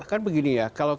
kan begini ya